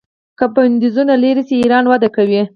که بندیزونه لرې شي ایران وده کوي.